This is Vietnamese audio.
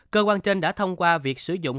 cơ quan trên đã thông qua việc sử dụng